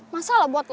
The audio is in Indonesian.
masalah buat lo